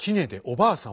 ばあさん！